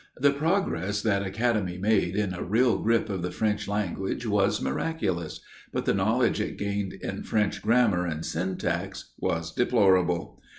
The progress that academy made in a real grip of the French language was miraculous; but the knowledge it gained in French grammar and syntax was deplorable.